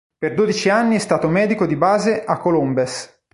Per dodici anni è stato medico di base a Colombes.